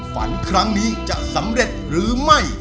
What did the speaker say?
ฝันครั้งนี้จะสำเร็จหรือไม่